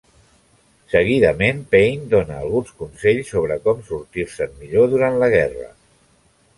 Seguidament Paine dona alguns consells sobre com sortir-se'n millor durant la guerra.